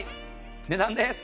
値段です。